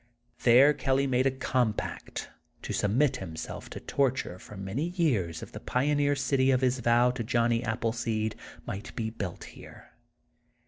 There Kelly made a compact to submit him self to torture for many years if the pioneer city of his vow to Johnny Appleseed might be built here.